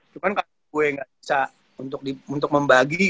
cuman kalau gue gak bisa untuk membagi